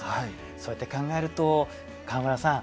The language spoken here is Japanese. そうやって考えると川村さん